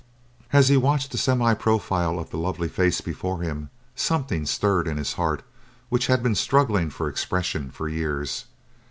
As he watched the semi profile of the lovely face before him, something stirred in his heart which had been struggling for expression for years.